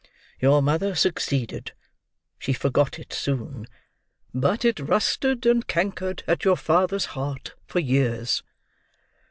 Your mother succeeded; she forgot it soon. But it rusted and cankered at your father's heart for years."